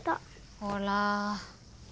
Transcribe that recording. ほら。